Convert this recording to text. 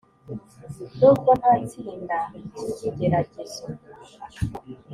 Nubwo ntatsinda iki kigeragezo